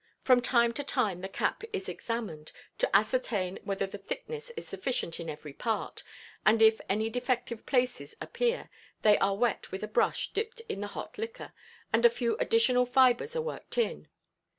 From time to time the cap is examined, to ascertain whether the thickness is sufficient in every part, and if any defective places appear, they are wet with a brush dipped in the hot liquor, and a few additional fibers are worked in.